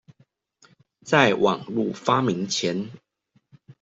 在網路發明前